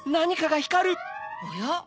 おや？